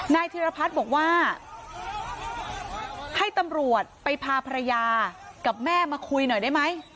ธิรพัฒน์บอกว่าให้ตำรวจไปพาภรรยากับแม่มาคุยหน่อยได้ไหม